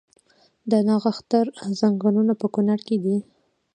د نښتر ځنګلونه په کنړ کې دي؟